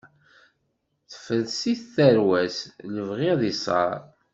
Tefrest-it tarwa-s, lebɣi ad isaṛ.